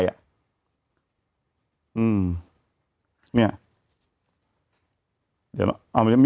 แต่หนูจะเอากับน้องเขามาแต่ว่า